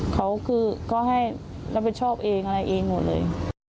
เขาคือเขาให้รับผิดชอบเองอะไรเองหมดเลย